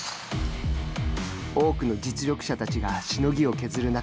多くの実力者たちがしのぎを削る中